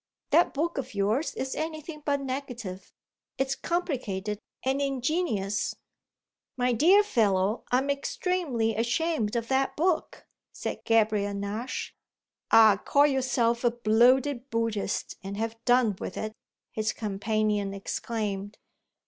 That book of yours is anything but negative; it's complicated and ingenious." "My dear fellow, I'm extremely ashamed of that book," said Gabriel Nash. "Ah call yourself a bloated Buddhist and have done with it!" his companion exclaimed.